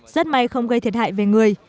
rất may không gây thiệt hại về người